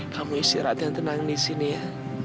kamu istirahat dan tenang disini ya